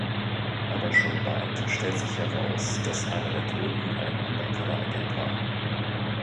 Aber schon bald stellt sich heraus, dass einer der Toten ein Undercover-Agent war.